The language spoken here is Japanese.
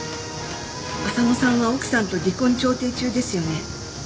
浅野さんは奥さんと離婚調停中ですよね？